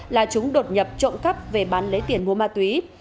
là chúng đột nhập trộm cắp về bán lấy tiền mua ma túy